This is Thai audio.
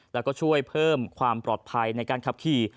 แล้วก็ช่วยเพิ่มความปลอดภัยในการขับขี่